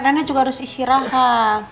rennya juga harus istirahat